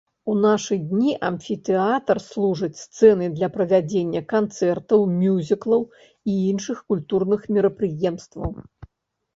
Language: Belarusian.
У нашы дні амфітэатр служыць сцэнай для правядзення канцэртаў, мюзіклаў і іншых культурных мерапрыемстваў.